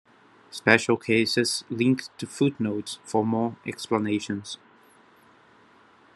Special cases link to footnotes for more explanations.